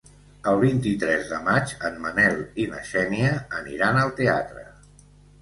El vint-i-tres de maig en Manel i na Xènia aniran al teatre.